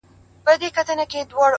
o يو بام، دوې هواوي٫